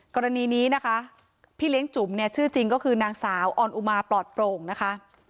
กรณีนี้นะคะพี่เลี้ยงจุ๋มเนี่ยชื่อจริงก็คือนางสาวออนอุมาปลอดโปร่งนะคะ